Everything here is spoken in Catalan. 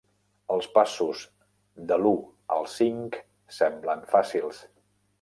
Els passos de l'u al cinc semblen fàcils.